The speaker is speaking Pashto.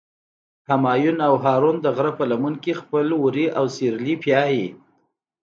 همایون او هارون د غره په لمن کې خپل وري او سرلي پیایی.